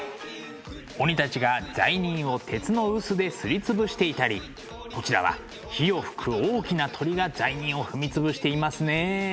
鬼たちが罪人を鉄の臼ですり潰していたりこちらは火を吹く大きな鳥が罪人を踏み潰していますねえ。